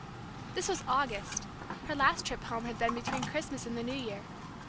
This was August; her last trip home had been between Christmas and the New Year.